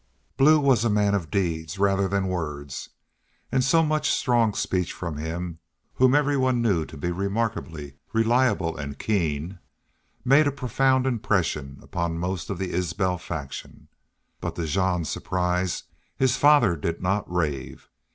Blue was a man of deeds rather than words, and so much strong speech from him, whom everybody knew to be remarkably reliable and keen, made a profound impression upon most of the Isbel faction. But, to Jean's surprise, his father did not rave.